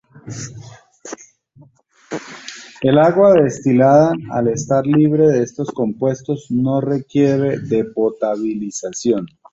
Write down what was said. El agua destilada, al estar libre de estos compuestos, no requiere de potabilización.